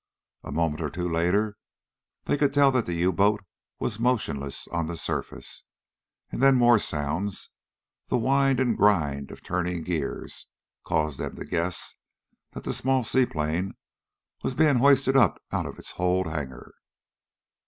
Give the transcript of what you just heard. A moment or two later they could tell that the U boat was motionless on the surface. And then more sounds, the whine and grind of turning gears, caused them to guess that the small seaplane was being hoisted up out of its hold hangar.